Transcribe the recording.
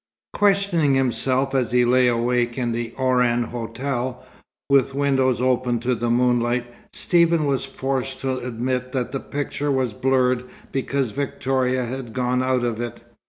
Questioning himself as he lay awake in the Oran hotel, with windows open to the moonlight, Stephen was forced to admit that the picture was blurred because Victoria had gone out of it.